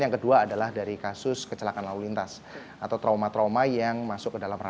yang kedua adalah dari kasus kecelakaan lalu lintas atau trauma trauma yang masuk ke dalam